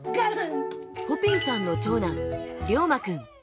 ポピーさんの長男りょうまくん。